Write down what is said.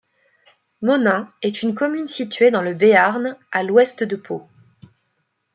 Monein est une commune située dans le Béarn à l'ouest de Pau.